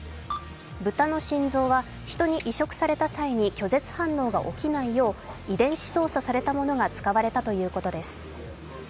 豚の心臓は人に移植された際に拒絶反応が起きないよう遺伝子操作されたものが使われたということです。